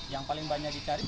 yang paling banyak dikari